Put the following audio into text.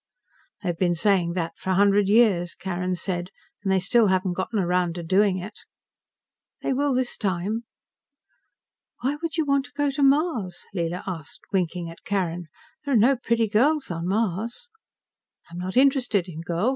"They've been saying that for a hundred years," Carrin said, "and they still haven't gotten around to doing it." "They will this time." "Why would you want to go to Mars?" Leela asked, winking at Carrin. "There are no pretty girls on Mars." "I'm not interested in girls.